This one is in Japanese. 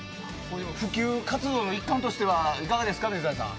普及活動の一環としてはいかがですか水谷さん。